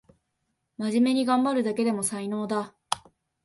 まじめにがんばるだけでも才能だ